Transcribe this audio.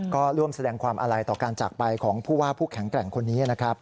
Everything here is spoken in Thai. ก็ร่วมแสดงความอาลัยต่อการจากไปของผู้ว่าผู้แข็งแกร่งคนนี้นะครับ